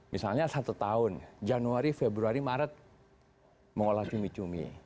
misalnya satu tahun januari februari maret mengolah cumi cumi